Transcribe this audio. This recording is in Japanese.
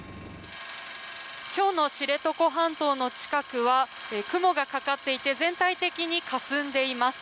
今日の知床半島の近くは雲がかかっていて全体的にかすんでいます。